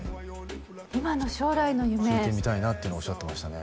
今の将来の夢聞いてみたいなっていうのおっしゃってましたね